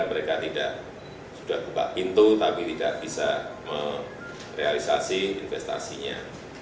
mereka tidak sudah buka pintu tapi tidak bisa merealisasi investasinya